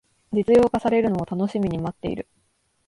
実用化されるのを楽しみに待ってる